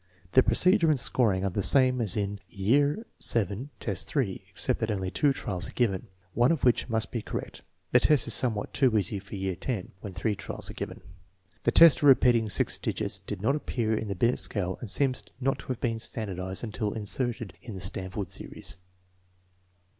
The procedure and scoring are the same as in VII, 8, except that only two trials are given, one of which must be correct. The test is somewhat too easy for year 10 when three trials are given. The test of repeating six digits did not appear in the Binet scale and seems not to have been standardized until inserted in the Stanford series.